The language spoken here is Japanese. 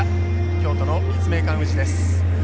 京都の立命館宇治です。